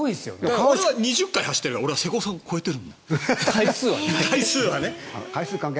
俺は２０回走ってるから瀬古さん超えてる。